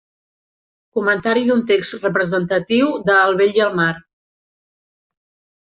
Comentari d'un text representatiu de El vell i el mar.